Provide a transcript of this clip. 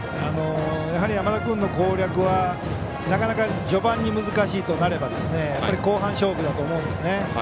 山田君の攻略はなかなか序盤に難しいとなれば後半勝負だと思うんですね。